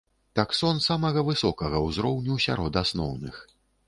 Таксон самага высокага ўзроўню сярод асноўных.